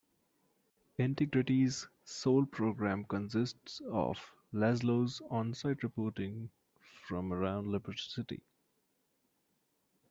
Integrity's sole program consists of Lazlow's on-site reporting from around Liberty City.